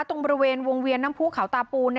ตรงบริเวณวงเวียนน้ำผู้เขาตาปูน